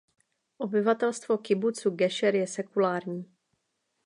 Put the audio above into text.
Obyvatelstvo kibucu Gešer je sekulární.